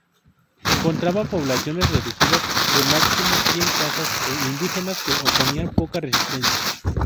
Encontraban poblaciones reducidas, de máximo cien casas, e indígenas que oponían poca resistencia.